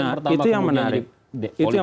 pertama kemudian jadi politisi